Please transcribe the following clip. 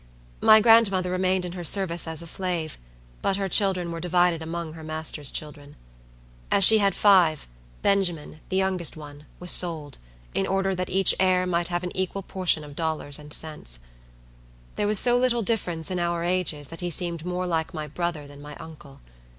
My grandmother remained in her service as a slave; but her children were divided among her master's children. As she had five, Benjamin, the youngest one, was sold, in order that each heir might have an equal portion of dollars and cents. There was so little difference in our ages that he seemed more like my brother than my uncle.